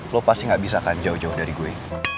lo pasti gak bisa akan jauh jauh dari gue